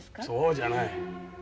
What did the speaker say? そうじゃない。